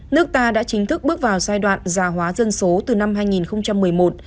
nước ta đã chính thức bước vào giai đoạn già hóa dân số từ năm hai nghìn một mươi một